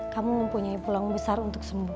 kamu mempunyai peluang besar untuk sembuh